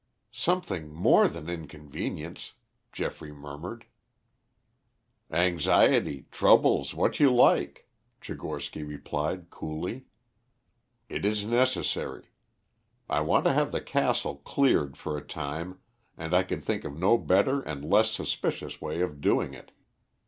"Something more than inconvenience," Geoffrey murmured. "Anxiety, troubles, what you like," Tchigorsky replied coolly. "It is necessary. I want to have the castle cleared for a time, and I could think of no better and less suspicious way of doing it.